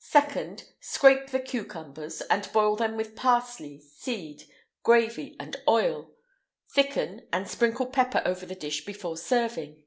[IX 120] 2nd. Scrape the cucumbers, and boil them with parsley, seed, gravy, and oil; thicken, and sprinkle pepper over the dish before serving.